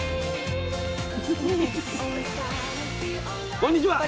こんにちは。